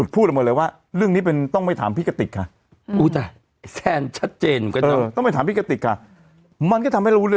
ไปเนี่ยไปมองอะไรก็ไม่รู้